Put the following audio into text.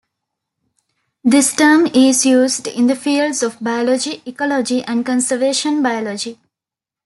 This term is used in the fields of biology, ecology, and conservation biology.